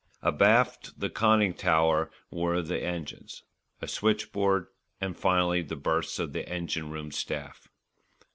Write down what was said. Abaft the conning tower were the engines, a switchboard, and finally the berths of the engine room staff.